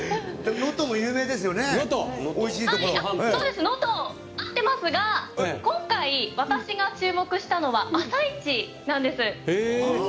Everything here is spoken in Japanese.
能登、そうなんですが今回、私が注目したのは朝市なんです。